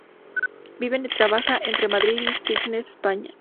Vive y trabaja entre Madrid y Sitges, España.